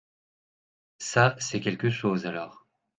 Ça c’est quelque choses alors.